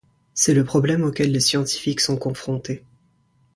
C'est le problème auquel les scientifiques sont confrontés.